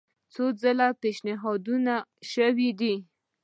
څو ځله پېشنهادونه شوي دي.